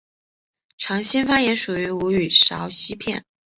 长兴方言属于吴语苕溪片。